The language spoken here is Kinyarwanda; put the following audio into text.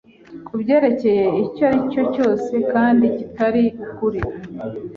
kubyerekeye icyo aricyo cyose kandi kitari ukuri